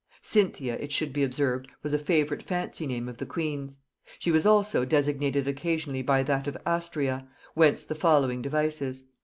Cynthia, it should be observed, was a favorite fancy name of the queen's; she was also designated occasionally by that of Astræa, whence the following devices.